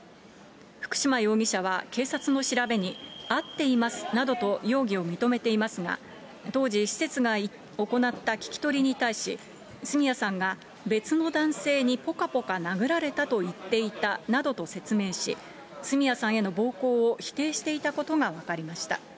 福島容疑者は警察の調べに、合っていますなどと、容疑を認めていますが、当時、施設が行った聞き取りに対し、角谷さんが、別の男性にぽかぽか殴られたと言っていたなどと説明し、角谷さんへの暴行を否定していたことが分かりました。